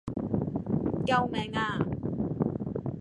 救命呀